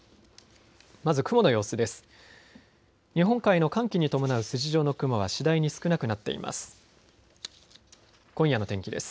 まず雲の様子です。